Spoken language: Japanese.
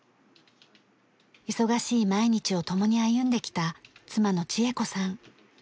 忙しい毎日を共に歩んできた妻の千恵子さん。